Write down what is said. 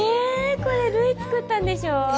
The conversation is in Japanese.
これ留依作ったんでしょ？